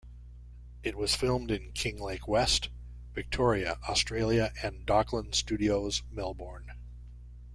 It was filmed in Kinglake West, Victoria, Australia and Docklands Studios Melbourne.